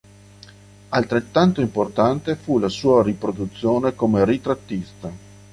Altrettanto importante fu la sua produzione come ritrattista.